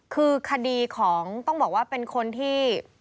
คือคดีของต้องบอกว่าเป็นคนที่